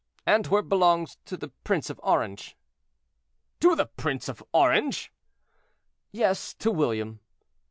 "Antwerp belongs to the Prince of Orange." "To the Prince of Orange!" "Yes, to William."